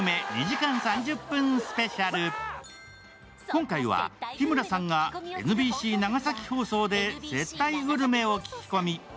今回は日村さんがＮＢＣ長崎放送で接待グルメを聞き込み。